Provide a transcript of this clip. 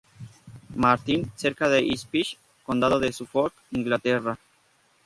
Martin, cerca de Ipswich, condado de Suffolk, Inglaterra.